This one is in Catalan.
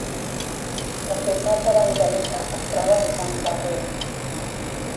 La ciutat de Banja Luka es troba als bancs del riu.